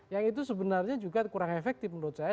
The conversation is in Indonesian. yang itu sebenarnya juga kurang efektif menurut saya